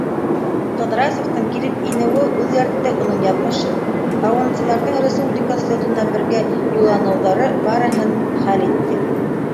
Ҡыҙрасовтың килеп инеүе үҙгәртте уның яҙмышын, һауынсыларҙың республика слетына бергә юлланыуҙары барыһын хәл итте.